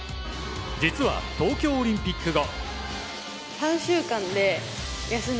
実は、東京オリンピック後。